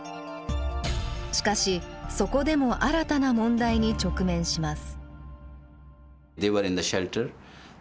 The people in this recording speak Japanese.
しかしそこでも新たな問題に直面します。